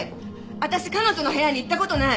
私彼女の部屋に行った事ない！